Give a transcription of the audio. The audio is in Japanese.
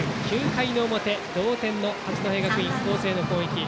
９回の表同点の八戸学院光星の攻撃。